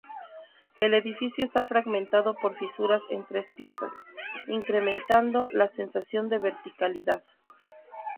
El edificio está fragmentado por fisuras en tres piezas, incrementando la sensación de verticalidad.